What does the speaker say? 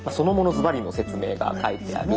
ズバリの説明が書いてある。